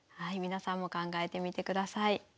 皆さんも考えてみてください。